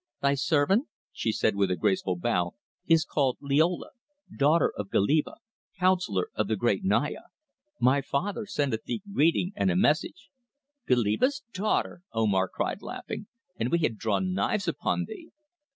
"Thy servant," she said with a graceful bow, "is called Liola, daughter of Goliba, councillor of the great Naya. My father sendeth thee greeting and a message." "Goliba's daughter!" Omar cried laughing. "And we had drawn knives upon thee!"